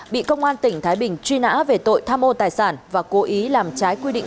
bị công an tỉnh thái bình truy nã về tội tham ô tài sản và cố ý làm trái quy định